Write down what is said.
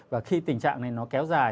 và khi tình trạng này nó kéo dài